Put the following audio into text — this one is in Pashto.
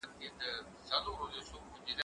زه اوږده وخت مړۍ خورم؟